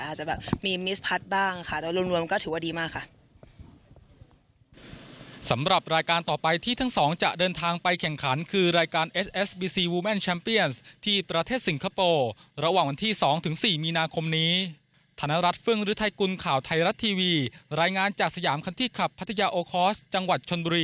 อาจจะแบบมีมิสพัดบ้างค่ะโดยรวมมันก็ถือว่าดีมากค่ะ